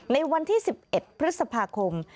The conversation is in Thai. ในวันที่๑๑พฤษภาคม